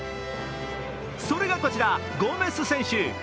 それがこちら、ゴメス選手。